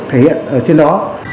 thể hiện ở trên đó